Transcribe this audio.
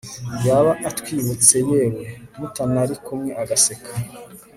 yaba atwibutse yewe mutanari kumwe agaseka